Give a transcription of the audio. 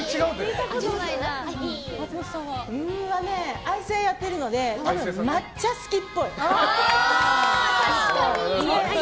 アイス屋やってるので抹茶好きっぽい。